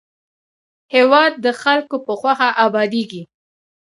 هېواد د خلکو په خوښه ابادېږي.